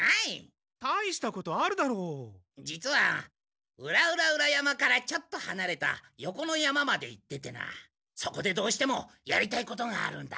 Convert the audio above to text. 実は裏々々山からちょっとはなれた横の山まで行っててなそこでどうしてもやりたいことがあるんだ。